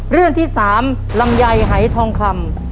เรื่องที่๓ลำไยหายทองคำ